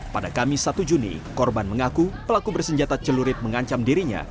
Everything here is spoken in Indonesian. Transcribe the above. pada kamis satu juni korban mengaku pelaku bersenjata celurit mengancam dirinya